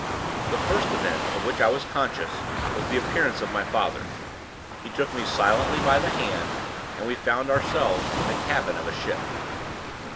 The first event of which I was conscious was the appearance of my father. He took me silently by the hand; and we found ourselves in the cabin of a ship.